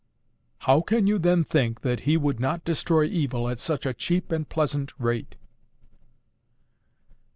"How can you then think that He would not destroy evil at such a cheap and pleasant rate."